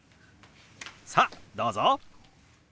さあどうぞ！